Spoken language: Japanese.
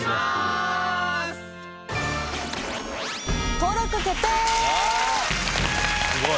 登録決定！